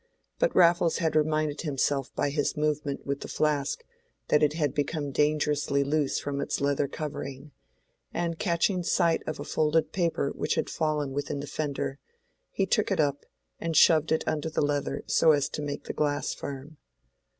But Raffles had reminded himself by his movement with the flask that it had become dangerously loose from its leather covering, and catching sight of a folded paper which had fallen within the fender, he took it up and shoved it under the leather so as to make the glass firm.